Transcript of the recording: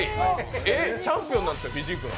えっ、チャンピオンなんですよ、フィジークの。